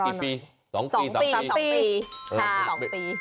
อีกปี๒ปี๒ปี